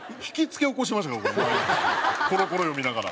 『コロコロ』読みながら。